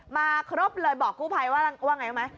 มาครบเลยบอกกู้ภัยว่าไงรู้ไหม